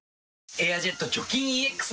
「エアジェット除菌ＥＸ」